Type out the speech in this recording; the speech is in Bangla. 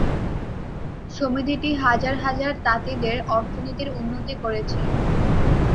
সমিতিটি হাজার হাজার তাঁতিদের অর্থনীতির উন্নতি করেছে।